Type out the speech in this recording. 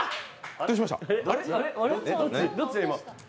どうしました？